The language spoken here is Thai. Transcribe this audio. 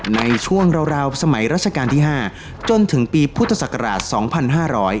ในช่วงราวราวสมัยราชการที่๕จนถึงปีพุทธศักราชสองพันห้าร้อย